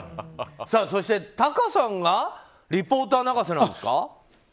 そして、貴さんがリポーター泣かせなんですか。